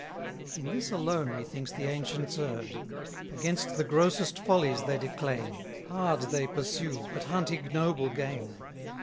In this alone methinks the ancients err'd, Against the grossest follies they declaim; Hard they pursue, but hunt ignoble game.